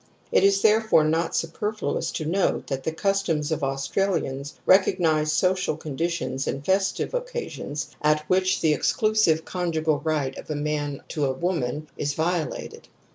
It is therefore not superfluous to note that the customs of Australians recog nize social conditions and festive occasions at which the exclusive conjugal right of a man to a woman is violated.